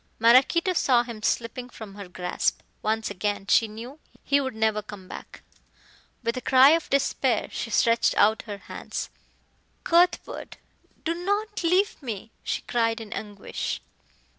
Maraquito saw him slipping from her grasp. Once gone, she knew he would never come back. With a cry of despair she stretched out her hands. "Cuthbert, do not leave me!" she cried in anguish.